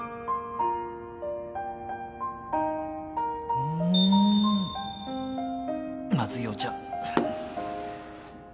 うーんまずいお茶。